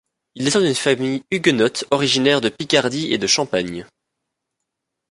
Il descend d'une famille huguenote originaire de Picardie et de Champagne.